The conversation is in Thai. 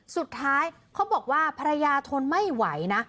เขาบอกว่าภรรยาทนไม่ไหวนะ